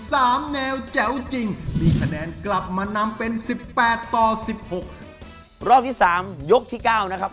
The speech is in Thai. สามแนวแจ๋วจริงมีคะแนนกลับมานำเป็นสิบแปดต่อสิบหกรอบที่สามยกที่เก้านะครับ